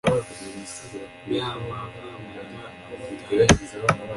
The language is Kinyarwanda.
Ya mavamuhira amutaye,